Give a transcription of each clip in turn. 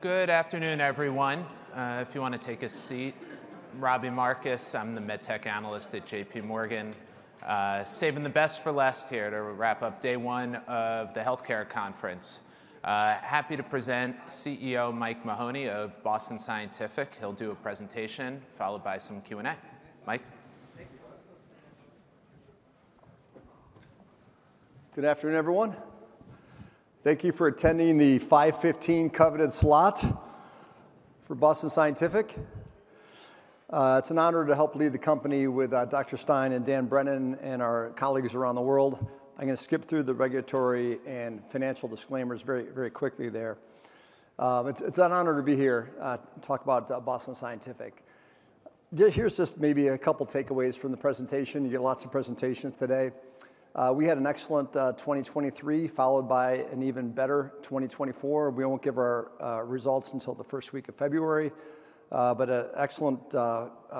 Good afternoon, everyone. If you want to take a seat. Robbie Marcus, I'm the Medtech Analyst at J.P. Morgan, saving the best for last here to wrap up day one of the healthcare conference. Happy to present CEO Mike Mahoney of Boston Scientific. He'll do a presentation followed by some Q&A. Michael. Thank you. Good afternoon, everyone. Thank you for attending the 5:15 coveted slot for Boston Scientific. It's an honor to help lead the company with Dr. Stein and Dan Brennan and our colleagues around the world. I'm going to skip through the regulatory and financial disclaimers very, very quickly there. It's an honor to be here to talk about Boston Scientific. Here's just maybe a couple of takeaways from the presentation. You get lots of presentations today. We had an excellent 2023, followed by an even better 2024. We won't give our results until the first week of February, but an excellent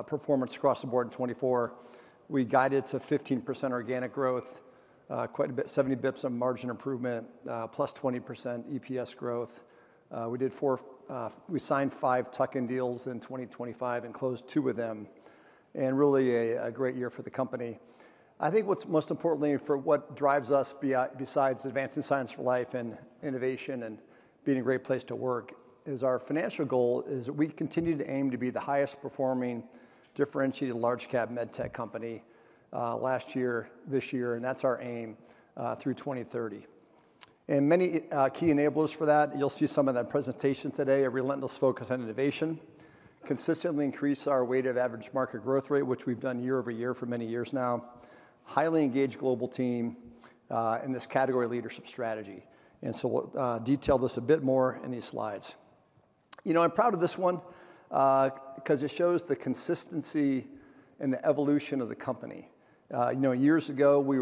performance across the board in 2024. We guided to 15% organic growth, quite a bit, 70 basis points of margin improvement, plus 20% EPS growth. We signed five tuck-in deals in 2025 and closed two of them. And really a great year for the company. I think what's most importantly for what drives us besides advancing science for life and innovation and being a great place to work is our financial goal is we continue to aim to be the highest performing differentiated large-cap medtech company last year, this year, and that's our aim through 2030. And many key enablers for that. You'll see some of that presentation today: a relentless focus on innovation, consistently increase our weighted average market growth rate, which we've done year over year for many years now, highly engaged global team and this category leadership strategy. And so we'll detail this a bit more in these slides. You know, I'm proud of this one because it shows the consistency and the evolution of the company. You know, years ago we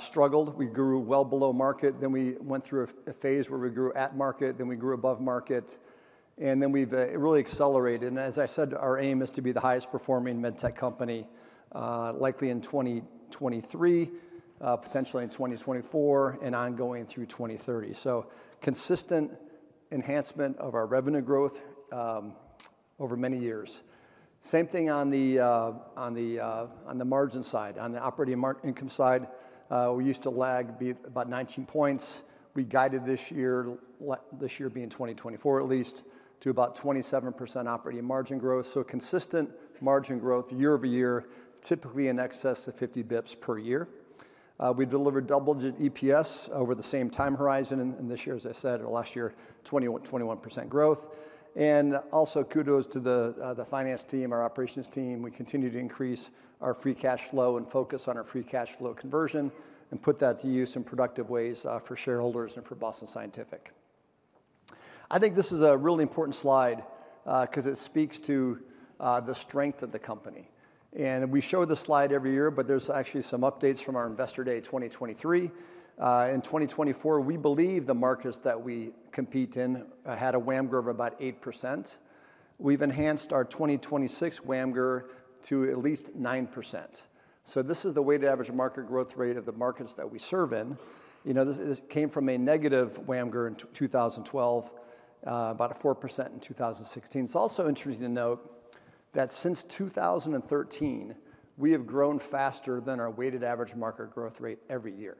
struggled, we grew well below market, then we went through a phase where we grew at market, then we grew above market, and then we've really accelerated. As I said, our aim is to be the highest performing medtech company likely in 2023, potentially in 2024, and ongoing through 2030. So consistent enhancement of our revenue growth over many years. Same thing on the margin side, on the operating margin side. We used to lag about 19 points. We guided this year, this year being 2024 at least, to about 27% operating margin growth. So consistent margin growth year over year, typically in excess of 50 basis points per year. We delivered double digit EPS over the same time horizon. And this year, as I said, or last year, 21% growth. Also kudos to the finance team, our operations team. We continue to increase our free cash flow and focus on our free cash flow conversion and put that to use in productive ways for shareholders and for Boston Scientific. I think this is a really important slide because it speaks to the strength of the company. And we show the slide every year, but there's actually some updates from our investor day 2023. In 2024, we believe the markets that we compete in had a WAMGR of about 8%. We've enhanced our 2026 WAMGR to at least 9%. So this is the weighted average market growth rate of the markets that we serve in. You know, this came from a negative WAMGR in 2012, about 4% in 2016. It's also interesting to note that since 2013, we have grown faster than our weighted average market growth rate every year.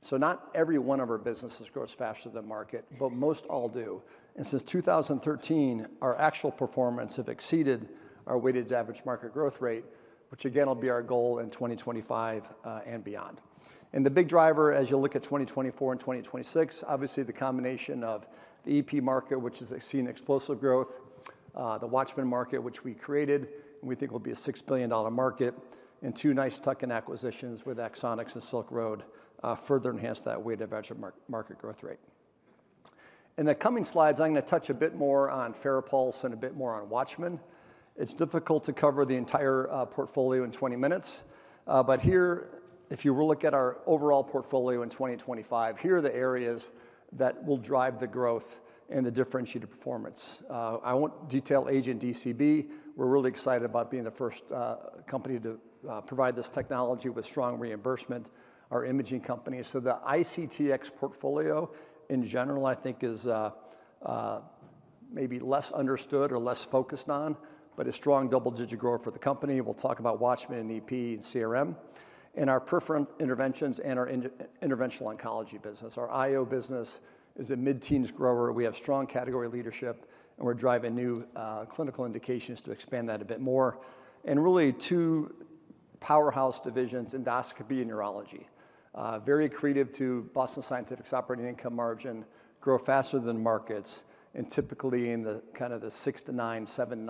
So not every one of our businesses grows faster than the market, but most all do. And since 2013, our actual performance has exceeded our weighted average market growth rate, which again will be our goal in 2025 and beyond. And the big driver, as you look at 2024 and 2026, obviously the combination of the EP market, which has seen explosive growth, the Watchman market, which we created, and we think will be a $6 billion market, and two nice tuck-in acquisitions with Axonics and Silk Road further enhance that weighted average market growth rate. In the coming slides, I'm going to touch a bit more on FARAPULSE and a bit more on Watchman. It's difficult to cover the entire portfolio in 20 minutes, but here, if you look at our overall portfolio in 2025, here are the areas that will drive the growth and the differentiated performance. I won't detail Agent DCB. We're really excited about being the first company to provide this technology with strong reimbursement, our imaging company. So the ICTX portfolio in general, I think, is maybe less understood or less focused on, but a strong double digit grower for the company. We'll talk about WATCHMAN and EP and CRM and our peripheral interventions and our interventional oncology business. Our IO business is a mid-teens grower. We have strong category leadership, and we're driving new clinical indications to expand that a bit more. Really two powerhouse divisions, endoscopy and neurology, very accretive to Boston Scientific's operating income margin, grow faster than markets, and typically in the kind of the 6%-9%,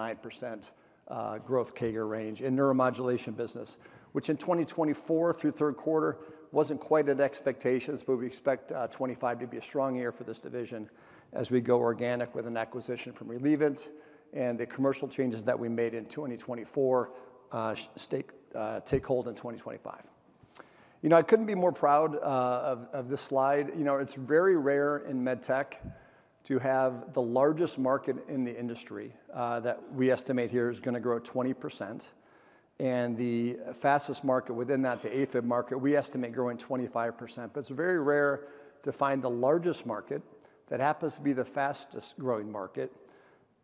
7%-9% growth CAGR range in neuromodulation business, which in 2024 through third quarter wasn't quite at expectations, but we expect 2025 to be a strong year for this division as we go organic with an acquisition of Relievant and the commercial changes that we made in 2024 take hold in 2025. You know, I couldn't be more proud of this slide. You know, it's very rare in medtech to have the largest market in the industry that we estimate here is going to grow 20%. The fastest market within that, the AFib market, we estimate growing 25%, but it's very rare to find the largest market that happens to be the fastest growing market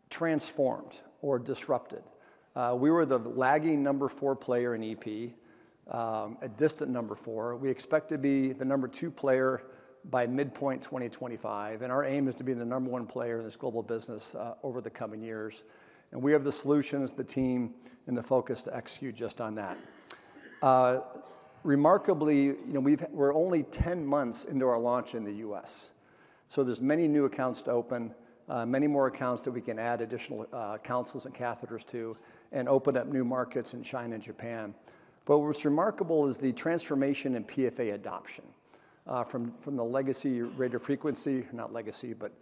transformed or disrupted. We were the lagging number four player in EP, a distant number four. We expect to be the number two player by midpoint 2025, and our aim is to be the number one player in this global business over the coming years, and we have the solutions, the team, and the focus to execute just on that, remarkably, you know, we're only 10 months into our launch in the U.S., so there's many new accounts to open, many more accounts that we can add additional consoles and catheters to and open up new markets in China and Japan, but what's remarkable is the transformation in PFA adoption from the legacy radio frequency, not legacy, but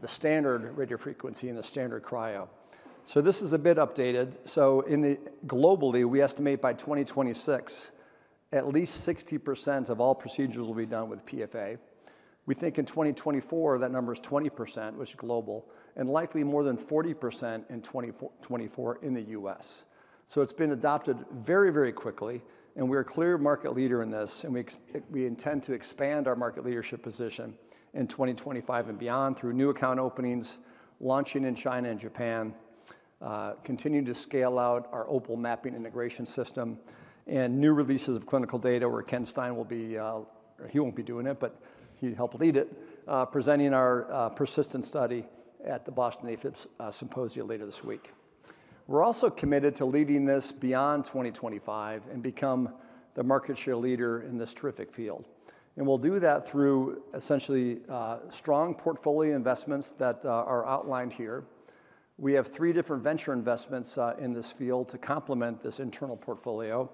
the standard radio frequency and the standard cryo, so this is a bit updated, so globally, we estimate by 2026, at least 60% of all procedures will be done with PFA. We think in 2024, that number is 20%, which is global, and likely more than 40% in 2024 in the U.S. So it's been adopted very, very quickly, and we're a clear market leader in this, and we intend to expand our market leadership position in 2025 and beyond through new account openings, launching in China and Japan, continuing to scale out our Opal mapping integration system, and new releases of clinical data where Ken Stein will be, he won't be doing it, but he'll lead it, presenting our persistent study at the Boston AFib Symposium later this week. We're also committed to leading this beyond 2025 and become the market share leader in this terrific field, and we'll do that through essentially strong portfolio investments that are outlined here. We have three different venture investments in this field to complement this internal portfolio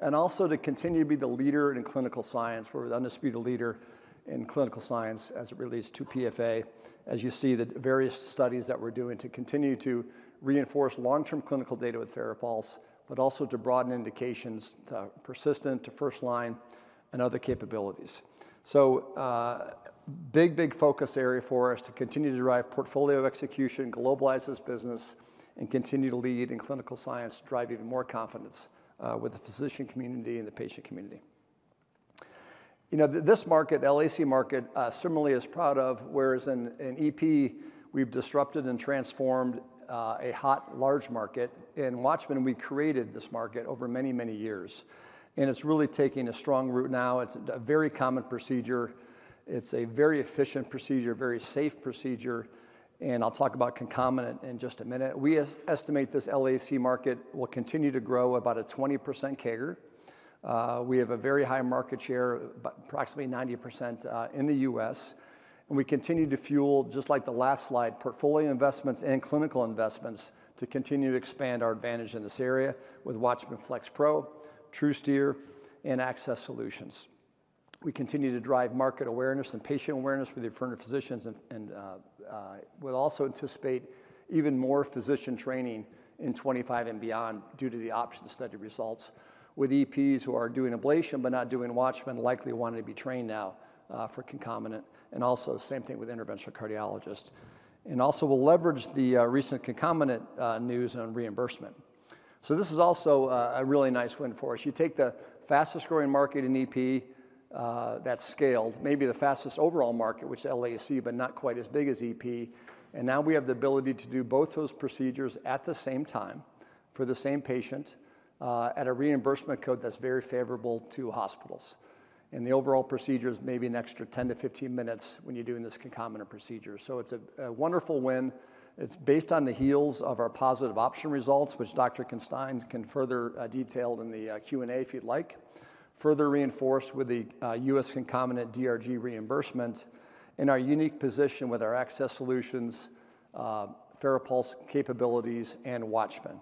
and also to continue to be the leader in clinical science. We're on this be the leader in clinical science as it relates to PFA, as you see the various studies that we're doing to continue to reinforce long-term clinical data with FARAPULSE, but also to broaden indications to persistent to first line and other capabilities. So big, big focus area for us to continue to drive portfolio execution, globalize this business, and continue to lead in clinical science, drive even more confidence with the physician community and the patient community. You know, this market, the LAC market, certainly is proud of, whereas in EP, we've disrupted and transformed a hot large market. In WATCHMAN, we created this market over many, many years, and it's really taking a strong root now. It's a very common procedure. It's a very efficient procedure, very safe procedure. And I'll talk about concomitant in just a minute. We estimate this LAC market will continue to grow about a 20% CAGR. We have a very high market share, approximately 90% in the US. And we continue to fuel, just like the last slide, portfolio investments and clinical investments to continue to expand our advantage in this area with Watchman FLX Pro, TruSteer, and Access Solutions. We continue to drive market awareness and patient awareness with the affirmative physicians and will also anticipate even more physician training in 2025 and beyond due to the Option study results with EPs who are doing ablation, but not doing Watchman, likely wanting to be trained now for concomitant. And also same thing with interventional cardiologists. And also we'll leverage the recent concomitant news on reimbursement. So this is also a really nice win for us. You take the fastest growing market in EP that's scaled, maybe the fastest overall market, which is LAC, but not quite as big as EP. And now we have the ability to do both those procedures at the same time for the same patient at a reimbursement code that's very favorable to hospitals. And the overall procedure is maybe an extra 10 to 15 minutes when you're doing this concomitant procedure. So it's a wonderful win. It's based on the heels of our positive Option results, which Dr. Ken Stein can further detail in the Q&A if you'd like, further reinforced with the US concomitant DRG reimbursement and our unique position with our Access Solutions, FARAPULSE capabilities, and WATCHMAN.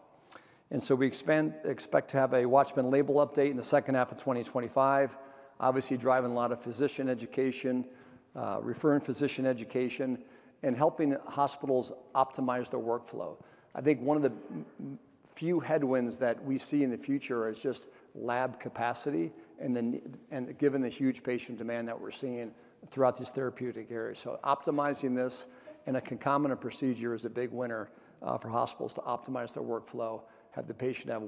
And so we expect to have a WATCHMAN label update in the second half of 2025, obviously driving a lot of physician education, referring physician education, and helping hospitals optimize their workflow. I think one of the few headwinds that we see in the future is just lab capacity, given the huge patient demand that we're seeing throughout this therapeutic area. So optimizing this and a concomitant procedure is a big winner for hospitals to optimize their workflow, have the patient have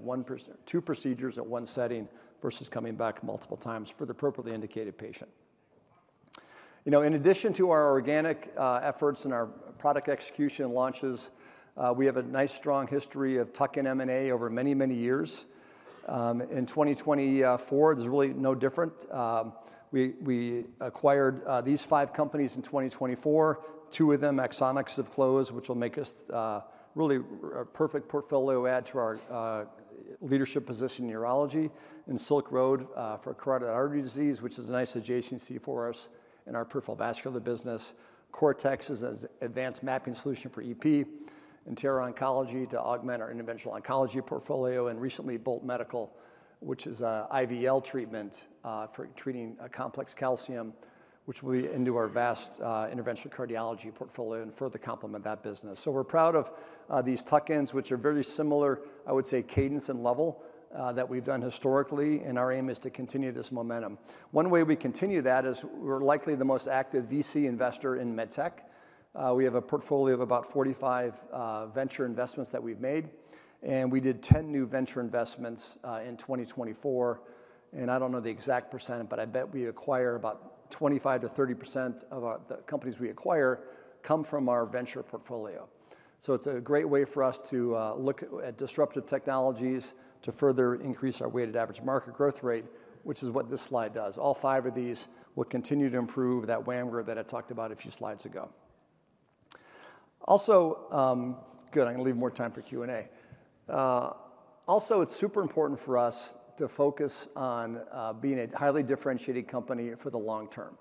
two procedures at one setting versus coming back multiple times for the appropriately indicated patient. You know, in addition to our organic efforts and our product execution launches, we have a nice strong history of tuck-in M&A over many, many years. In 2024, there's really no different. We acquired these five companies in 2024, two of them, Axonics, have closed, which will make us really a perfect portfolio add to our leadership position in neurology and Silk Road for carotid artery disease, which is a nice adjacency for us in our peripheral vascular business. Cortex is an advanced mapping solution for EP and Intera Oncology to augment our interventional oncology portfolio and recently Bolt Medical, which is IVL treatment for treating a complex calcium, which will be into our vast interventional cardiology portfolio and further complement that business. So we're proud of these Tuck-ins, which are very similar, I would say, cadence and level that we've done historically, and our aim is to continue this momentum. One way we continue that is we're likely the most active VC investor in medtech. We have a portfolio of about 45 venture investments that we've made, and we did 10 new venture investments in 2024, and I don't know the exact %, but I bet we acquire about 25%-30% of the companies we acquire come from our venture portfolio, so it's a great way for us to look at disruptive technologies to further increase our weighted average market growth rate, which is what this slide does. All five of these will continue to improve that WAMGR that I talked about a few slides ago. Also, good, I'm going to leave more time for Q&A, also, it's super important for us to focus on being a highly differentiated company for the long term,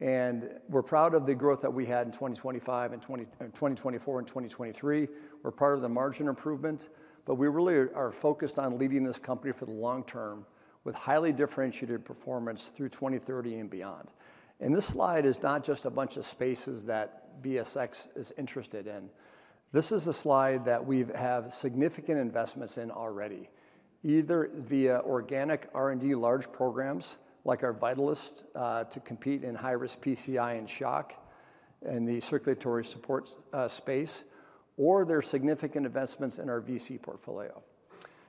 and we're proud of the growth that we had in 2025 and 2024 and 2023. We're proud of the margin improvement, but we really are focused on leading this company for the long term with highly differentiated performance through 2030 and beyond. And this slide is not just a bunch of spaces that BSX is interested in. This is a slide that we have significant investments in already, either via organic R&D large programs like our Vitalist to compete in high-risk PCI and shock and the circulatory support space, or there are significant investments in our VC portfolio.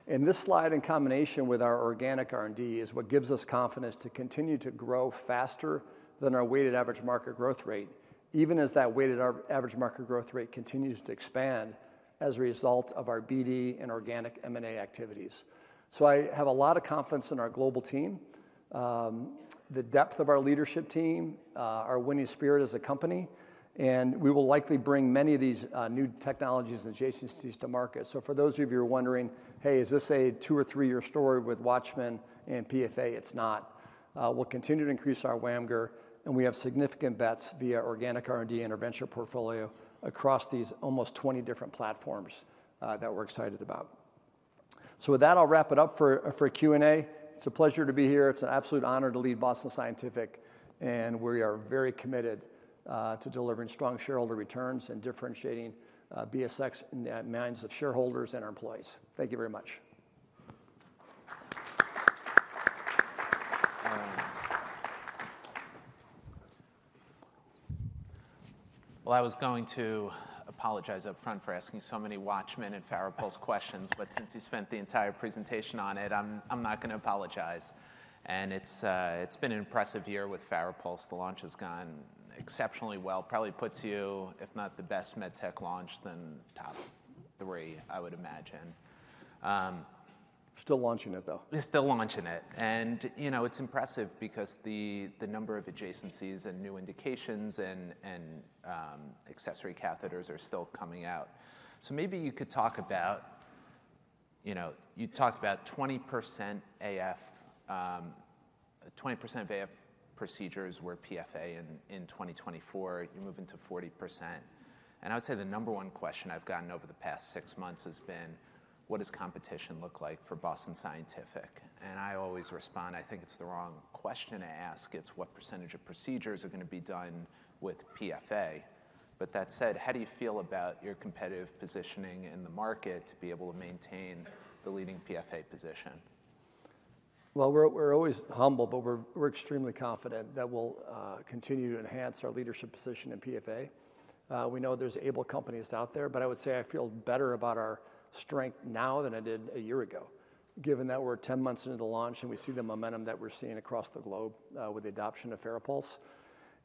And this slide, in combination with our organic R&D, is what gives us confidence to continue to grow faster than our weighted average market growth rate, even as that weighted average market growth rate continues to expand as a result of our BD and organic M&A activities. So I have a lot of confidence in our global team, the depth of our leadership team, our winning spirit as a company, and we will likely bring many of these new technologies and adjacencies to market. So for those of you who are wondering, hey, is this a two or three-year story with Watchman and PFA? It's not. We'll continue to increase our WAMGR, and we have significant bets via organic R&D intervention portfolio across these almost 20 different platforms that we're excited about. So with that, I'll wrap it up for Q&A. It's a pleasure to be here. It's an absolute honor to lead Boston Scientific, and we are very committed to delivering strong shareholder returns and differentiating BSX in the minds of shareholders and our employees. Thank you very much. I was going to apologize upfront for asking so many Watchman and FARAPULSE questions, but since you spent the entire presentation on it, I'm not going to apologize. And it's been an impressive year with FARAPULSE. The launch has gone exceptionally well, probably puts you, if not the best medtech launch, then top three, I would imagine. Still launching it, though. Still launching it. And you know, it's impressive because the number of adjacencies and new indications and accessory catheters are still coming out. So maybe you could talk about, you know, you talked about 20% AF, 20% of AF procedures were PFA in 2024. You're moving to 40%. And I would say the number one question I've gotten over the past six months has been, what does competition look like for Boston Scientific? And I always respond, I think it's the wrong question to ask. It's what percentage of procedures are going to be done with PFA? But that said, how do you feel about your competitive positioning in the market to be able to maintain the leading PFA position? Well, we're always humble, but we're extremely confident that we'll continue to enhance our leadership position in PFA. We know there's able companies out there, but I would say I feel better about our strength now than I did a year ago, given that we're 10 months into the launch and we see the momentum that we're seeing across the globe with the adoption of FARAPULSE.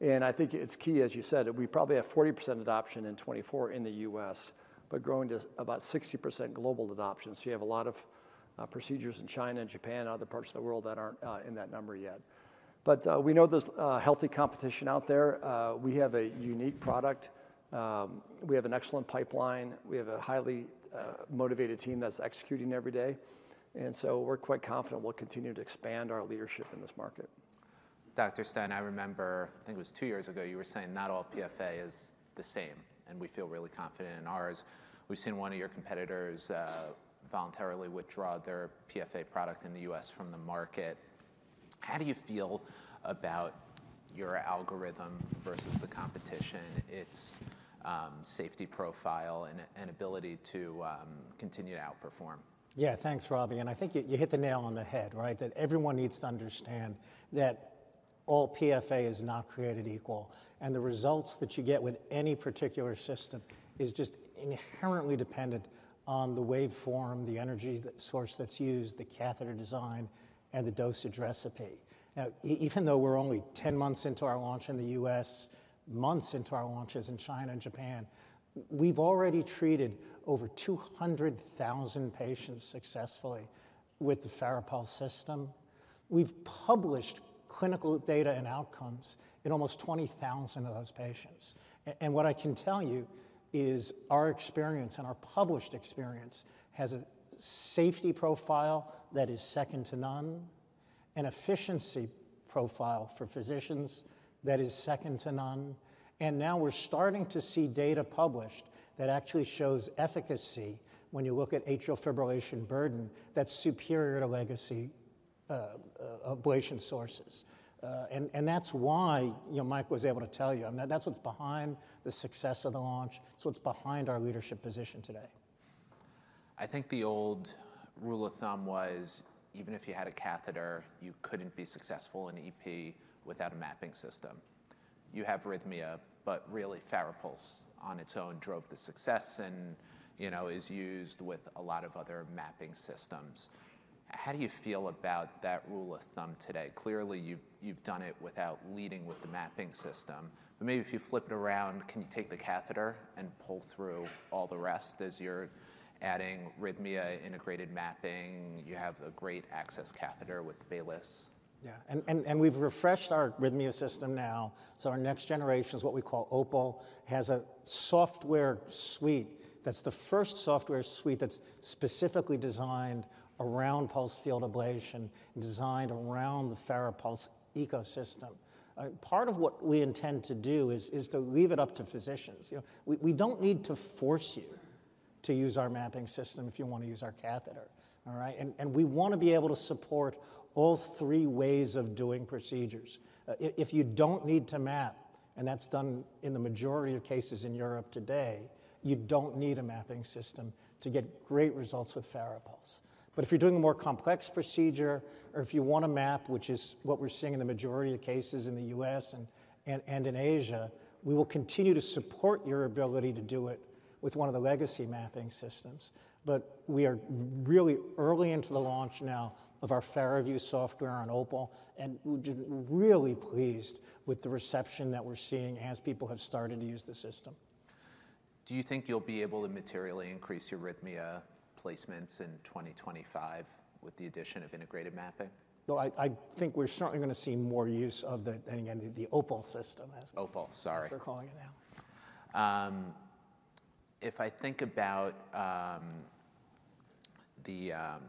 And I think it's key, as you said, we probably have 40% adoption in 2024 in the US, but growing to about 60% global adoption. So you have a lot of procedures in China and Japan, other parts of the world that aren't in that number yet. But we know there's healthy competition out there. We have a unique product. We have an excellent pipeline. We have a highly motivated team that's executing every day. And so we're quite confident we'll continue to expand our leadership in this market. Dr. Stein, I remember, I think it was two years ago, you were saying not all PFA is the same, and we feel really confident in ours. We've seen one of your competitors voluntarily withdraw their PFA product in the U.S. from the market. How do you feel about your algorithm versus the competition, its safety profile and ability to continue to outperform? Yeah, thanks, Robbie. And I think you hit the nail on the head, right? That everyone needs to understand that all PFA is not created equal. And the results that you get with any particular system is just inherently dependent on the waveform, the energy source that's used, the catheter design, and the dosage recipe. Now, even though we're only 10 months into our launch in the US, months into our launches in China and Japan, we've already treated over 200,000 patients successfully with the FARAPULSE system. We've published clinical data and outcomes in almost 20,000 of those patients. And what I can tell you is our experience and our published experience has a safety profile that is second to none, an efficiency profile for physicians that is second to none. And now we're starting to see data published that actually shows efficacy when you look at atrial fibrillation burden that's superior to legacy ablation sources. And that's why, you know, Mike was able to tell you, and that's what's behind the success of the launch. It's what's behind our leadership position today. I think the old rule of thumb was, even if you had a catheter, you couldn't be successful in EP without a mapping system. You have arrhythmia, but really FARAPULSE on its own drove the success and, you know, is used with a lot of other mapping systems. How do you feel about that rule of thumb today? Clearly, you've done it without leading with the mapping system, but maybe if you flip it around, can you take the catheter and pull through all the rest as you're adding arrhythmia integrated mapping? You have a great access catheter with the Baylis. Yeah, and we've refreshed our arrhythmia system now. So our next generation is what we call Opal, has a software suite that's the first software suite that's specifically designed around pulsed field ablation and designed around the FARAPULSE ecosystem. Part of what we intend to do is to leave it up to physicians. You know, we don't need to force you to use our mapping system if you want to use our catheter, all right? And we want to be able to support all three ways of doing procedures. If you don't need to map, and that's done in the majority of cases in Europe today, you don't need a mapping system to get great results with FARAPULSE. But if you're doing a more complex procedure or if you want to map, which is what we're seeing in the majority of cases in the US and in Asia, we will continue to support your ability to do it with one of the legacy mapping systems. But we are really early into the launch now of our FARAVIEW software on Opal, and we're really pleased with the reception that we're seeing as people have started to use the system. Do you think you'll be able to materially increase your arrhythmia placements in 2025 with the addition of integrated mapping? No, I think we're certainly going to see more use of the, and again, the Opal system. Opal, sorry. That's what we're calling it now. If I think about the PFA,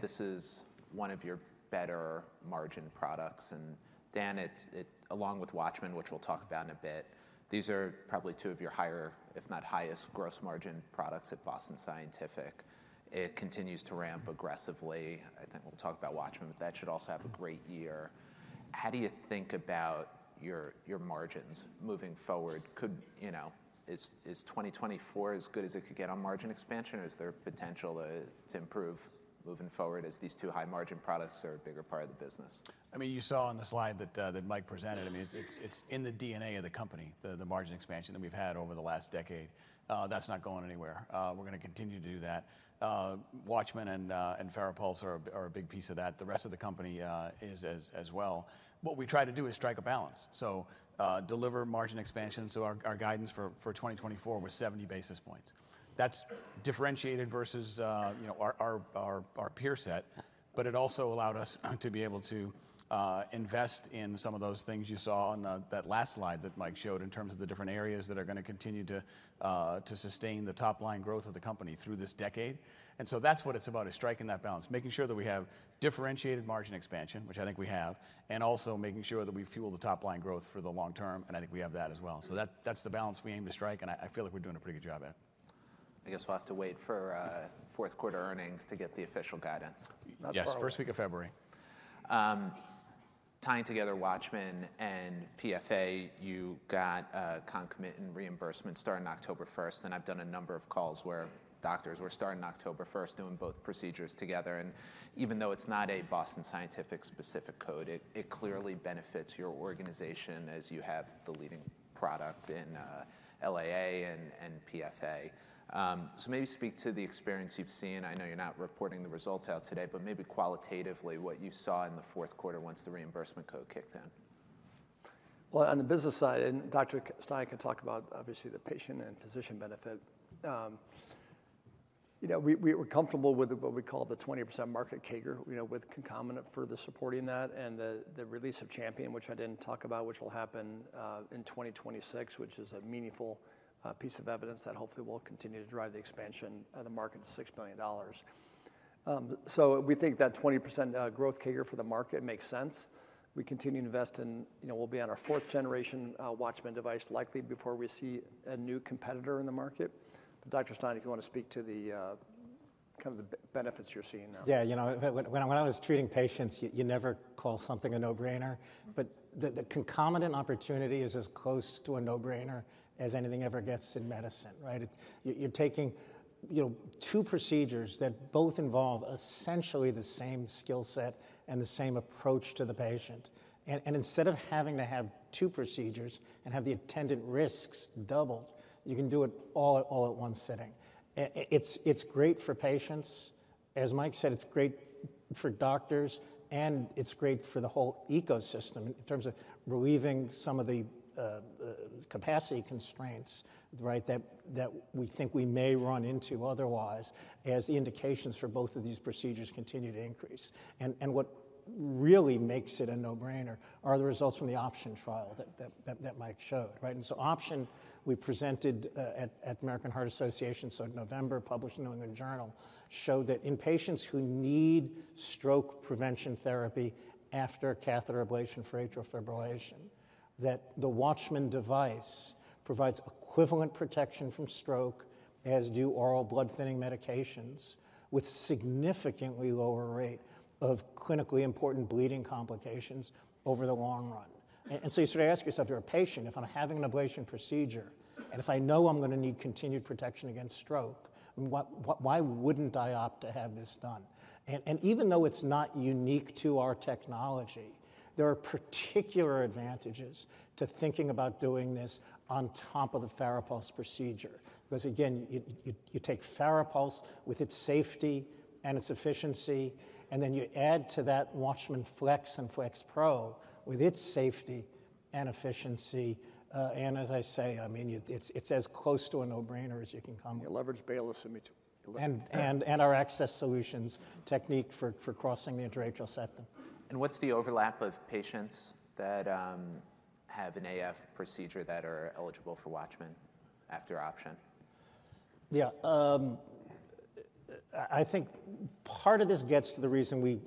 this is one of your better margin products. And Dan, along with Watchman, which we'll talk about in a bit, these are probably two of your higher, if not highest, gross margin products at Boston Scientific. It continues to ramp aggressively. I think we'll talk about Watchman, but that should also have a great year. How do you think about your margins moving forward? Could, you know, is 2024 as good as it could get on margin expansion, or is there potential to improve moving forward as these two high margin products are a bigger part of the business? I mean, you saw on the slide that Mike presented, I mean, it's in the DNA of the company, the margin expansion that we've had over the last decade. That's not going anywhere. We're going to continue to do that. Watchman and FARAPULSE are a big piece of that. The rest of the company is as well. What we try to do is strike a balance. So deliver margin expansion. So our guidance for 2024 was 70 basis points. That's differentiated versus, you know, our peer set, but it also allowed us to be able to invest in some of those things you saw on that last slide that Mike showed in terms of the different areas that are going to continue to sustain the top line growth of the company through this decade. And so that's what it's about, is striking that balance, making sure that we have differentiated margin expansion, which I think we have, and also making sure that we fuel the top line growth for the long term. And I think we have that as well. So that's the balance we aim to strike, and I feel like we're doing a pretty good job at it. I guess we'll have to wait for fourth quarter earnings to get the official guidance. Yes, first week of February. Tying together Watchman and PFA, you got concomitant reimbursement starting October 1st, and I've done a number of calls where doctors were starting October 1st doing both procedures together, and even though it's not a Boston Scientific specific code, it clearly benefits your organization as you have the leading product in LAA and PFA, so maybe speak to the experience you've seen. I know you're not reporting the results out today, but maybe qualitatively what you saw in the fourth quarter once the reimbursement code kicked in. Well, on the business side, and Dr. Stein can talk about obviously the patient and physician benefit. You know, we're comfortable with what we call the 20% market CAGR, you know, with concomitant further supporting that and the release of Champion, which I didn't talk about, which will happen in 2026, which is a meaningful piece of evidence that hopefully will continue to drive the expansion of the market to $6 billion. So we think that 20% growth CAGR for the market makes sense. We continue to invest in, you know, we'll be on our fourth generation Watchman device likely before we see a new competitor in the market. But Dr. Stein, if you want to speak to the kind of the benefits you're seeing now. Yeah, you know, when I was treating patients, you never call something a no-brainer, but the concomitant opportunity is as close to a no-brainer as anything ever gets in medicine, right? You're taking, you know, two procedures that both involve essentially the same skill set and the same approach to the patient. And instead of having to have two procedures and have the attendant risks doubled, you can do it all at one sitting. It's great for patients, as Mike said, it's great for doctors, and it's great for the whole ecosystem in terms of relieving some of the capacity constraints, right, that we think we may run into otherwise as the indications for both of these procedures continue to increase. And what really makes it a no-brainer are the results from the Option trial that Mike showed, right? And so Option we presented at American Heart Association, so in November, published in the New England Journal of Medicine, showed that in patients who need stroke prevention therapy after catheter ablation for atrial fibrillation, that the Watchman device provides equivalent protection from stroke as do oral blood thinning medications with significantly lower rate of clinically important bleeding complications over the long run. And so you sort of ask yourself, you're a patient, if I'm having an ablation procedure and if I know I'm going to need continued protection against stroke, why wouldn't I opt to have this done? And even though it's not unique to our technology, there are particular advantages to thinking about doing this on top of the FARAPULSE procedure. Because again, you take FARAPULSE with its safety and its efficiency, and then you add to that Watchman FLX and FLX Pro with its safety and efficiency. As I say, I mean, it's as close to a no-brainer as you can come. You leverage Baylis and our access solutions technique for crossing the intra-atrial septum. What's the overlap of patients that have an AF procedure that are eligible for WATCHMAN after Option? Yeah, I think part of this gets to the reason we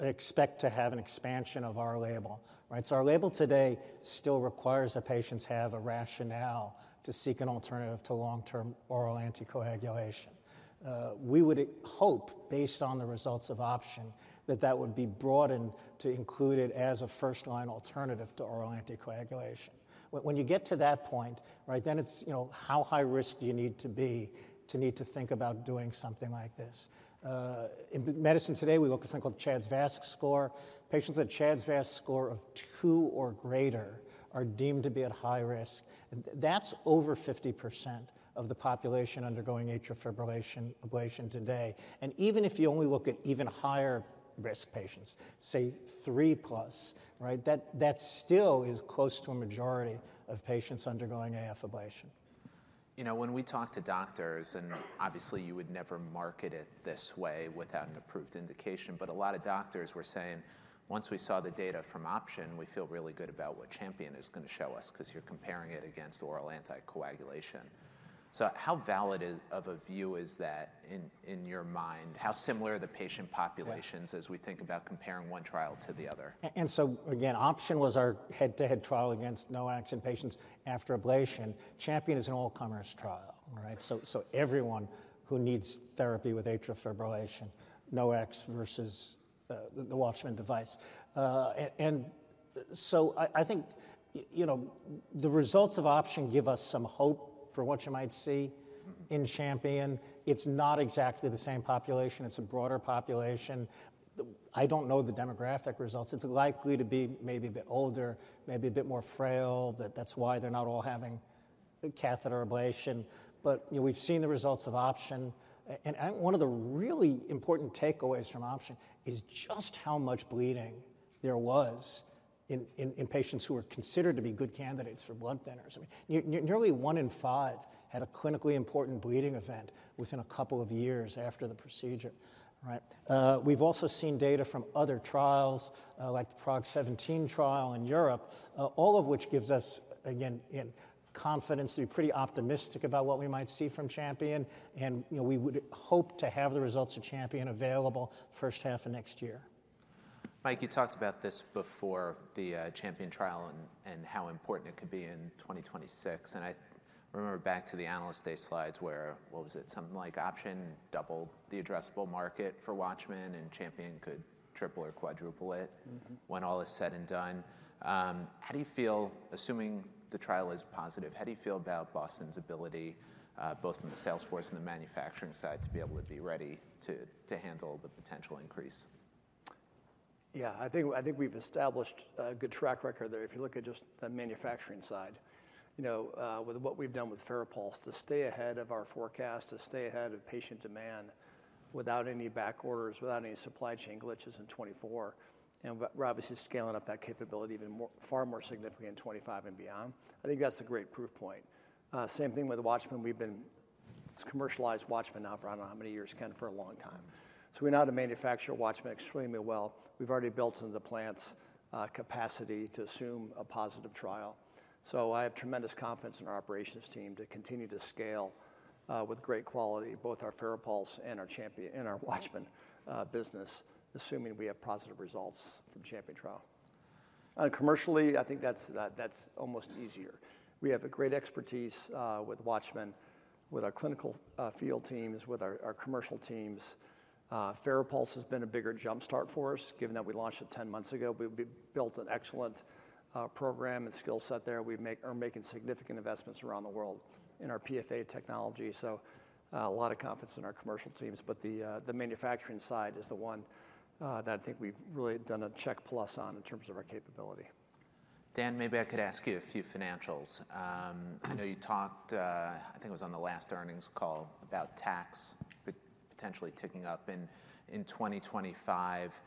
expect to have an expansion of our label, right? Our label today still requires that patients have a rationale to seek an alternative to long-term oral anticoagulation. We would hope, based on the results of Option, that that would be broadened to include it as a first-line alternative to oral anticoagulation. When you get to that point, right, then it's, you know, how high risk do you need to be to need to think about doing something like this? In medicine today, we look at something called CHA2DS2-VASc. Patients with a CHA2DS2-VASc score of two or greater are deemed to be at high risk. That's over 50% of the population undergoing atrial fibrillation ablation today. And even if you only look at even higher risk patients, say three plus, right, that still is close to a majority of patients undergoing AF ablation. You know, when we talk to doctors, and obviously you would never market it this way without an approved indication, but a lot of doctors were saying, once we saw the data from Option, we feel really good about what Champion is going to show us because you're comparing it against oral anticoagulation. So how valid of a view is that in your mind? How similar are the patient populations as we think about comparing one trial to the other? And so again, Option was our head-to-head trial against oral anticoagulation in patients after ablation. Champion is an all-comers trial, right? So everyone who needs therapy with atrial fibrillation, oral anticoagulation versus the Watchman device. And so I think, you know, the results of Option give us some hope for what you might see in Champion. It's not exactly the same population. It's a broader population. I don't know the demographic results. It's likely to be maybe a bit older, maybe a bit more frail. That's why they're not all having catheter ablation. But you know, we've seen the results of Option. And one of the really important takeaways from Option is just how much bleeding there was in patients who were considered to be good candidates for blood thinners. I mean, nearly one in five had a clinically important bleeding event within a couple of years after the procedure, right? We've also seen data from other trials like the Prague 17 trial in Europe, all of which gives us, again, confidence to be pretty optimistic about what we might see from Champion, and you know, we would hope to have the results of Champion available first half of next year. Mike, you talked about this before the Champion trial and how important it could be in 2026, and I remember back to the Analyst Day slides where, what was it, something like Option doubled the addressable market for Watchman and Champion could triple or quadruple it when all is said and done. How do you feel, assuming the trial is positive, how do you feel about Boston's ability, both from the sales force and the manufacturing side, to be able to be ready to handle the potential increase? Yeah, I think we've established a good track record there. If you look at just the manufacturing side, you know, with what we've done with FARAPULSE to stay ahead of our forecast, to stay ahead of patient demand without any back orders, without any supply chain glitches in 2024. And we're obviously scaling up that capability even far more significantly in 2025 and beyond. I think that's a great proof point. Same thing with Watchman. We've been commercialized Watchman now for I don't know how many years, Ken, for a long time. So we know how to manufacture Watchman extremely well. We've already built into the plants capacity to assume a positive trial. So I have tremendous confidence in our operations team to continue to scale with great quality, both our FARAPULSE and our Watchman business, assuming we have positive results from the Champion trial. Commercially, I think that's almost easier. We have great expertise with Watchman, with our clinical field teams, with our commercial teams. FARAPULSE has been a bigger jumpstart for us, given that we launched it 10 months ago. We built an excellent program and skill set there. We're making significant investments around the world in our PFA technology. So a lot of confidence in our commercial teams. But the manufacturing side is the one that I think we've really done a check plus on in terms of our capability. Dan, maybe I could ask you a few financials. I know you talked, I think it was on the last earnings call, about tax potentially ticking up in 2025.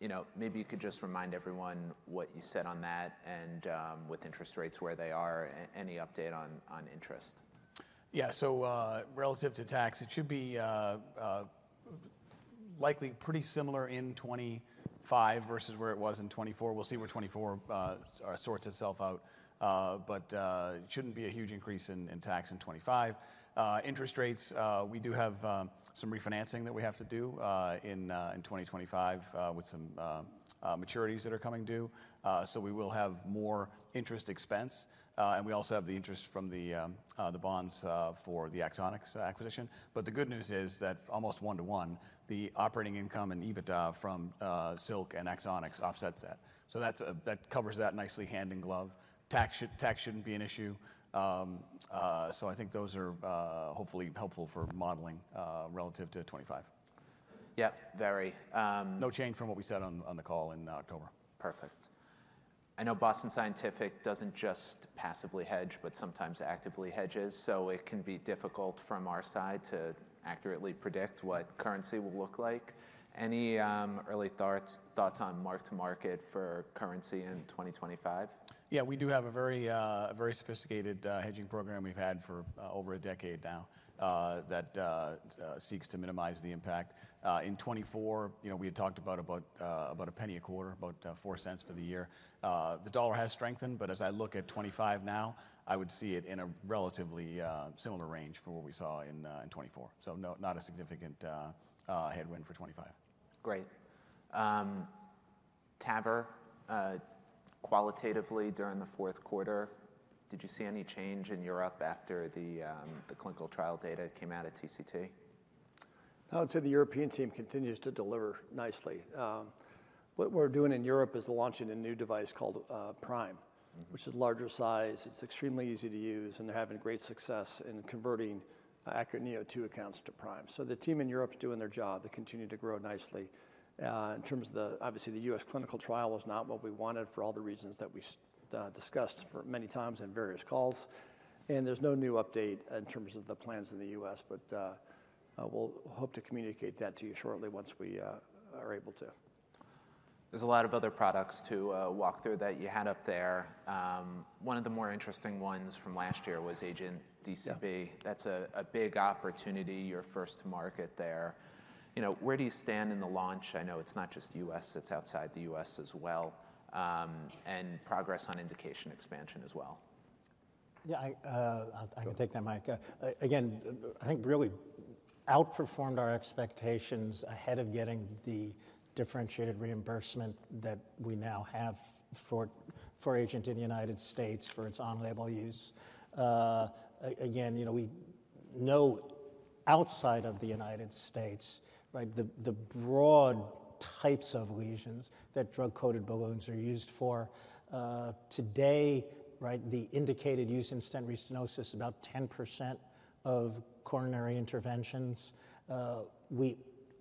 You know, maybe you could just remind everyone what you said on that and with interest rates where they are, any update on interest? Yeah, so relative to tax, it should be likely pretty similar in 2025 versus where it was in 2024. We'll see where 2024 sorts itself out. But it shouldn't be a huge increase in tax in 2025. Interest rates, we do have some refinancing that we have to do in 2025 with some maturities that are coming due. So we will have more interest expense. And we also have the interest from the bonds for the Axonics acquisition. But the good news is that almost one to one, the operating income and EBITDA from Silk and Axonics offsets that. So that covers that nicely hand in glove. Tax shouldn't be an issue. So I think those are hopefully helpful for modeling relative to 2025. Yeah, very. No change from what we said on the call in October. Perfect. I know Boston Scientific doesn't just passively hedge, but sometimes actively hedges. So it can be difficult from our side to accurately predict what currency will look like. Any early thoughts on mark-to-market for currency in 2025? Yeah, we do have a very sophisticated hedging program we've had for over a decade now that seeks to minimize the impact. In 2024, you know, we had talked about $0.01 a quarter, about $0.04 for the year. The dollar has strengthened, but as I look at 2025 now, I would see it in a relatively similar range from what we saw in 2024. So not a significant headwind for 2025. Great. TAVR, qualitatively during the fourth quarter, did you see any change in Europe after the clinical trial data came out at TCT? I would say the European team continues to deliver nicely. What we're doing in Europe is launching a new device called Prime, which is larger size. It's extremely easy to use, and they're having great success in converting ACURATE neo2 accounts to Prime. So the team in Europe is doing their job. They continue to grow nicely. In terms of the, obviously, the U.S. clinical trial was not what we wanted for all the reasons that we discussed many times in various calls. And there's no new update in terms of the plans in the U.S., but we'll hope to communicate that to you shortly once we are able to. There's a lot of other products to walk through that you had up there. One of the more interesting ones from last year was AGENT DCB. That's a big opportunity, your first market there. You know, where do you stand in the launch? I know it's not just U.S., it's outside the U.S. as well. And progress on indication expansion as well. Yeah, I can take that, Mike. Again, I think really outperformed our expectations ahead of getting the differentiated reimbursement that we now have for AGENT in the United States for its on-label use. Again, you know, we know outside of the United States, right, the broad types of lesions that drug-coated balloons are used for. Today, right, the indicated use in stent restenosis, about 10% of coronary interventions. We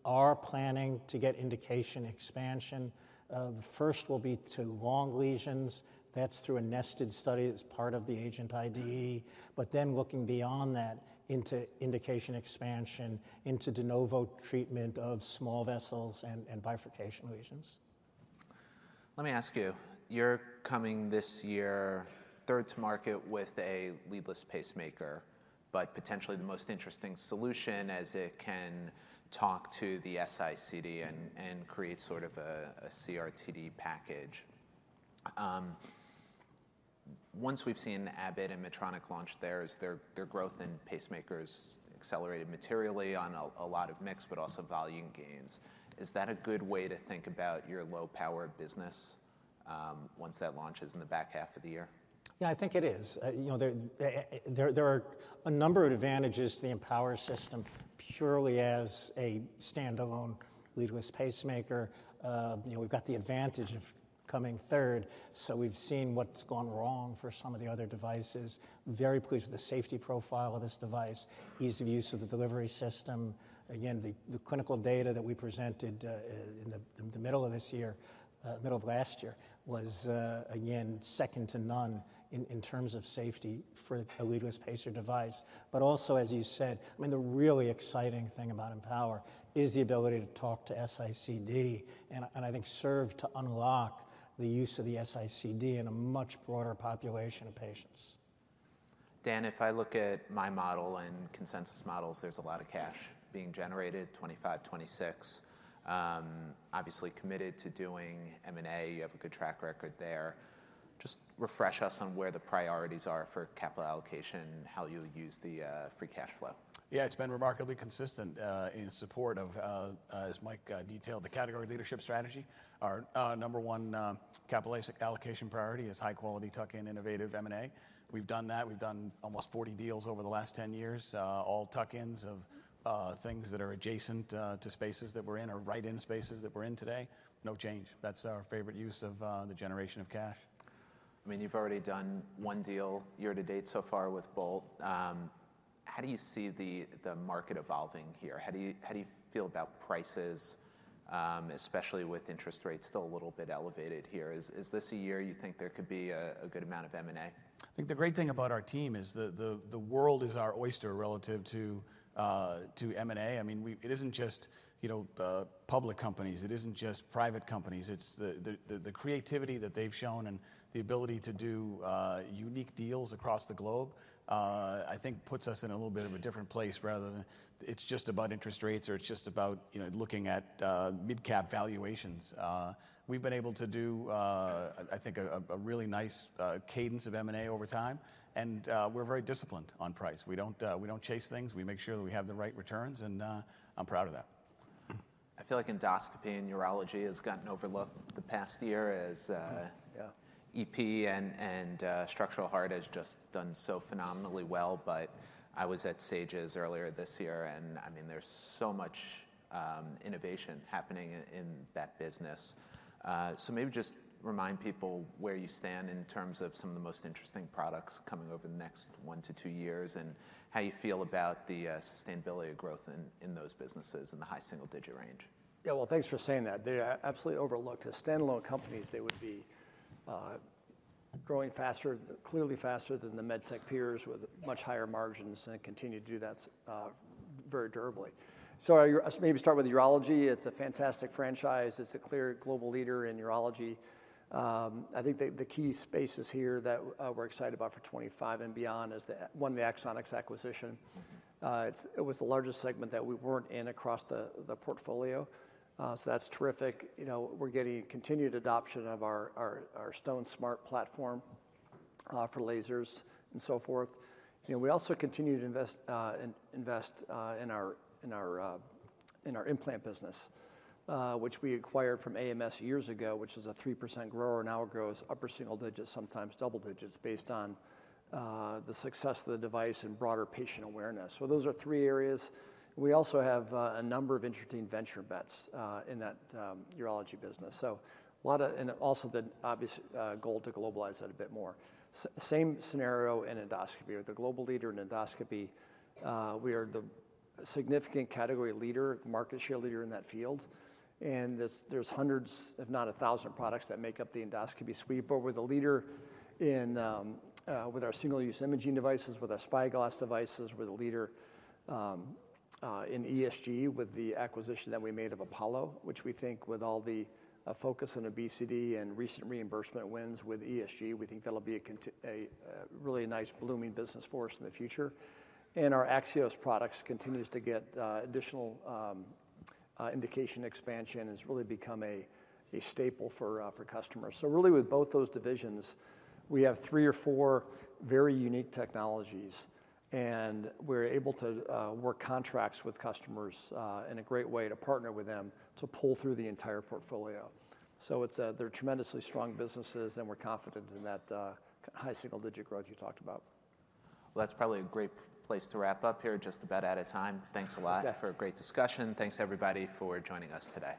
are planning to get indication expansion. The first will be to long lesions. That's through a nested study that's part of the AGENT IDE. But then looking beyond that into indication expansion into de novo treatment of small vessels and bifurcation lesions. Let me ask you, you're coming this year third to market with a leadless pacemaker, but potentially the most interesting solution as it can talk to the S-ICD and create sort of a CRTD package. Once we've seen Abbott and Medtronic launch theirs, their growth in pacemakers accelerated materially on a lot of mix, but also volume gains. Is that a good way to think about your low-power business once that launches in the back half of the year? Yeah, I think it is. You know, there are a number of advantages to the Empower system purely as a standalone leadless pacemaker. You know, we've got the advantage of coming third. So we've seen what's gone wrong for some of the other devices. Very pleased with the safety profile of this device, ease of use of the delivery system. Again, the clinical data that we presented in the middle of this year, middle of last year, was again second to none in terms of safety for a leadless pacer device. But also, as you said, I mean, the really exciting thing about EMPOWER is the ability to talk to S-ICD and I think serve to unlock the use of the S-ICD in a much broader population of patients. Dan, if I look at my model and consensus models, there's a lot of cash being generated 2025, 2026. Obviously committed to doing M&A. You have a good track record there. Just refresh us on where the priorities are for capital allocation, how you'll use the free cash flow. Yeah, it's been remarkably consistent in support of, as Mike detailed, the category leadership strategy. Our number one capital allocation priority is high-quality tuck-in, innovative M&A. We've done that. We've done almost 40 deals over the last 10 years. All tuck-ins of things that are adjacent to spaces that we're in or right in spaces that we're in today. No change. That's our favorite use of the generation of cash. I mean, you've already done one deal year to date so far with Bolt. How do you see the market evolving here? How do you feel about prices, especially with interest rates still a little bit elevated here? Is this a year you think there could be a good amount of M&A? I think the great thing about our team is the world is our oyster relative to M&A. I mean, it isn't just, you know, public companies. It isn't just private companies. It's the creativity that they've shown and the ability to do unique deals across the globe, I think puts us in a little bit of a different place rather than it's just about interest rates or it's just about, you know, looking at mid-cap valuations. We've been able to do, I think, a really nice cadence of M&A over time. And we're very disciplined on price. We don't chase things. We make sure that we have the right returns. And I'm proud of that. I feel like endoscopy and urology has gotten overlooked the past year as EP and structural heart has just done so phenomenally well. But I was at SAGES earlier this year, and I mean, there's so much innovation happening in that business. So maybe just remind people where you stand in terms of some of the most interesting products coming over the next one to two years and how you feel about the sustainability of growth in those businesses and the high single-digit range. Yeah, well, thanks for saying that. They're absolutely overlooked. As standalone companies, they would be growing faster, clearly faster than the med tech peers with much higher margins and continue to do that very durably. So maybe start with urology. It's a fantastic franchise. It's a clear global leader in urology. I think the key spaces here that we're excited about for 2025 and beyond is one of the Axonics acquisitions. It was the largest segment that we weren't in across the portfolio. So that's terrific. You know, we're getting continued adoption of our StoneSmart platform for lasers and so forth. You know, we also continue to invest in our implant business, which we acquired from AMS years ago, which is a 3% grower now grows upper single digits, sometimes double digits based on the success of the device and broader patient awareness. So those are three areas. We also have a number of interesting venture bets in that urology business. So a lot of, and also the obvious goal to globalize that a bit more. Same scenario in endoscopy. We're the global leader in endoscopy. We are the significant category leader, market share leader in that field. And there's hundreds, if not a thousand products that make up the endoscopy suite. But we're the leader with our single-use imaging devices, with our SpyGlass devices. We're the leader in ESG with the acquisition that we made of Apollo, which we think with all the focus on obesity and recent reimbursement wins with ESG, we think that'll be a really nice blooming business for us in the future. And our AXIOS products continue to get additional indication expansion and has really become a staple for customers. So really with both those divisions, we have three or four very unique technologies. And we're able to work contracts with customers in a great way to partner with them to pull through the entire portfolio. So they're tremendously strong businesses, and we're confident in that high single-digit growth you talked about. Well, that's probably a great place to wrap up here. Just about out of time. Thanks a lot for a great discussion. Thanks everybody for joining us today.